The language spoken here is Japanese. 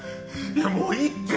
いやもういいって！